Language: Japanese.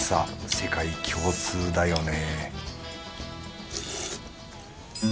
世界共通だよね